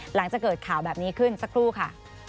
หลังจากเกิดข่าวแบบนี้ขึ้นสักครู่ค่ะ